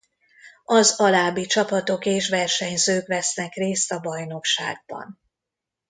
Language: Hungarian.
Az alábbi csapatok és versenyzők vesznek részt a bajnokságban.